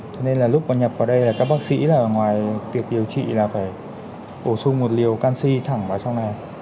cho nên là lúc mà nhập vào đây là các bác sĩ là ngoài việc điều trị là phải bổ sung một liều canxi thẳng vào trong này